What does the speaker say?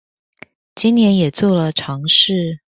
今年也做了嘗試